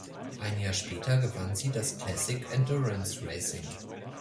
Ein Jahr später gewann sie das Classic Endurance Racing.